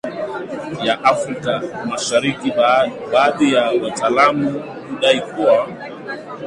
ya Afrikamashariki Baadhi ya wataalamu hudai kuwa